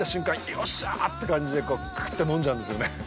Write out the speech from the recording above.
よっしゃーって感じでクーっと飲んじゃうんですよね。